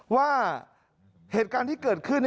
ว่าเหตุการณ์ที่เกิดขึ้น